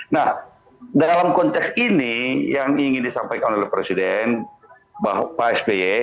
nah dalam konteks ini yang ingin disampaikan oleh presiden pak sby